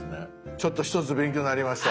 ちょっと一つ勉強なりました。